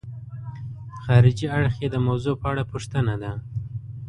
خارجي اړخ یې د موضوع په اړه پوښتنه ده.